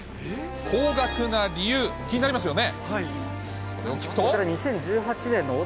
高額な理由、気になりますよね。